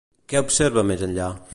Què observa més enllà?